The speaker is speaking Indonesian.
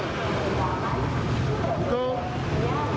itu dia akan disitakan ktp